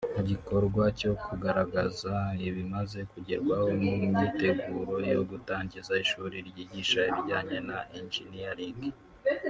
Mu gikorwa cyo kugaragaza ibimaze kugerwaho mu myiteguro yo gutangiza ishuri ryigisha ibijyanye na Engineering